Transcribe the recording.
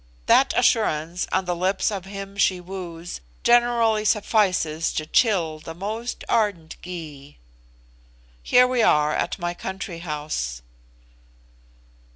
That assurance on the lips of him she woos generally suffices to chill the most ardent Gy. Here we are at my country house."